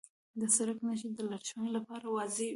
د سړک نښې د لارښوونې لپاره واضح وي.